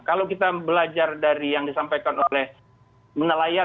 kalau kita belajar dari yang disampaikan oleh nelayan